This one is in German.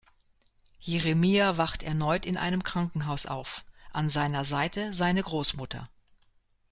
Jeremiah wacht erneut in einem Krankenhaus auf, an seiner Seite seine Großmutter.